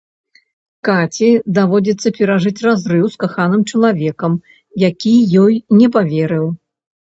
Каці даводзіцца перажыць разрыў з каханым чалавекам, які ёй не паверыў.